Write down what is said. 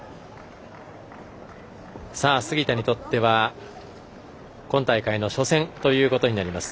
杉田にとっては、今大会の初戦ということになります。